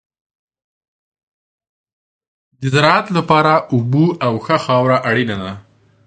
د زراعت لپاره اوبه او ښه خاوره اړینه ده.